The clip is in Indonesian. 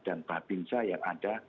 dan bapak bapak bapak yang ada